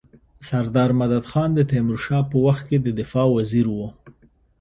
سردار مددخان د تيمورشاه په وخت کي د دفاع وزیر وو.